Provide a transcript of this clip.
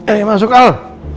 eh masuk al